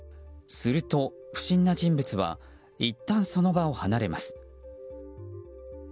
すると、不審な人物はいったんその場を離れます。